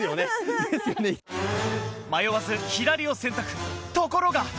迷わず左を選択ところが！